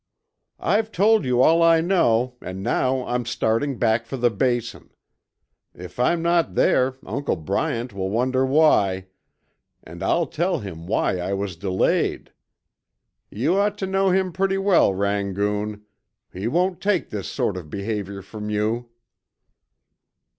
"I've told you all I know and now I'm starting back for the Basin. If I'm not there Uncle Bryant will wonder why, and I'll tell him why I was delayed. You ought to know him pretty well, Rangoon. He won't take this sort of behavior from you!"